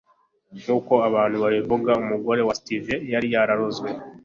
nk'uko abantu babivuga, umugore wa steve yari yararozwe